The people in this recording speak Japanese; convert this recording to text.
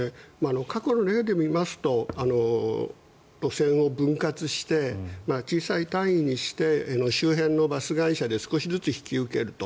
過去の例で見ますと路線を分割して小さい単位にして周辺のバス会社で少しずつ引き受けると。